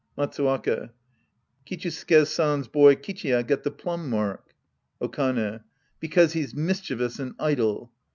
Matsuwaka. Kichisuke San's boy Kichiya got the plum mark. Okane. Because he's mischievous and idle.